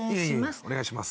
お願いします。